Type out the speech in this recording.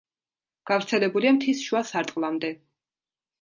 გავრცელებულია მთის შუა სარტყლამდე.